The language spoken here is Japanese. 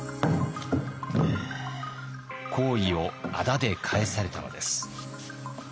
好意をあだで返されたのです。